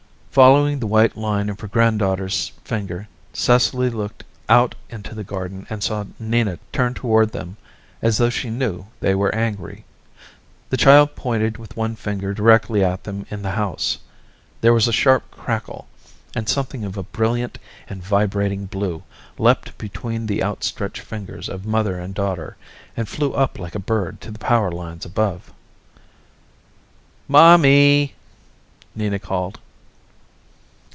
Following the white line of her granddaughter's finger, Cecily looked out into the garden and saw Nina turn toward them as though she knew they were angry. The child pointed with one finger directly at them in the house. There was a sharp crackle, and something of a brilliant and vibrating blue leaped between the out stretched fingers of mother and daughter, and flew up like a bird to the power lines above. "Mommy," Nina called.